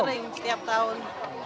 sering setiap tahun